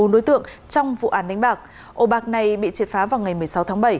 một mươi bốn đối tượng trong vụ án đánh bạc ô bạc này bị triệt phá vào ngày một mươi sáu tháng bảy